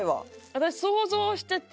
私想像してて。